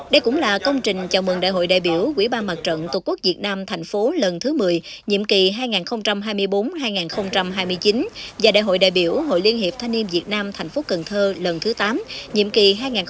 đây cũng là công trình chào mừng đại hội đại biểu quỹ ban mặt trận tổ quốc việt nam tp cn lần thứ một mươi nhiệm kỳ hai nghìn hai mươi bốn hai nghìn hai mươi chín và đại hội đại biểu hội liên hiệp thanh niên việt nam tp cn lần thứ tám nhiệm kỳ hai nghìn hai mươi bốn hai nghìn hai mươi chín